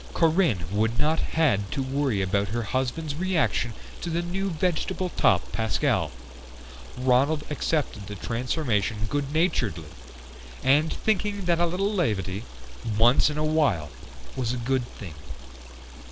Corinne would not have had to worry about her husband's reaction to the new vegetable topped Pascal. Ronald accepted the transformation good naturedly, thinking that a little levity, once in a while, was a good thing.